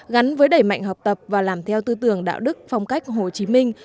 gắn với đẩy mạnh học tập và làm theo tư tưởng đạo đức phong cách hồ chí minh